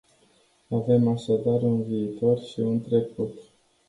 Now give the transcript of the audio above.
Avem așadar un viitor și un trecut.